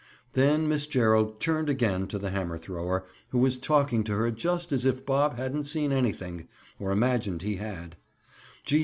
Then Miss Gerald turned again to the hammer thrower, who talked to her just as if Bob hadn't seen anything, or imagined he had.